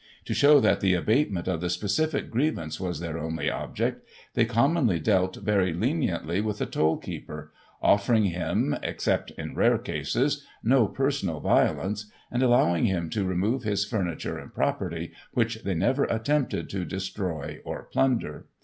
To show that the abatement of the specific grievance was their only object, they, commonly, dealt very leniently with the toll keeper, offering him, except in rare cases, no personal violence, and allowing him to remove his furniture and property, which they never attempted to destroy or plunder.